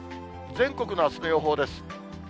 全国のあすの予報です。